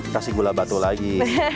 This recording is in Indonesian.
kasih gula batu lagi